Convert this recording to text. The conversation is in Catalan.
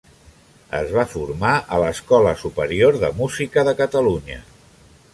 Es va formar a l'Escola Superior de Música de Catalunya.